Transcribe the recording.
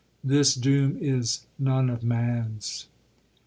This doom is none of man's.